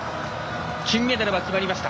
金メダルは決まりました。